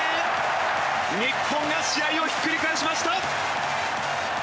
日本が試合をひっくり返しました！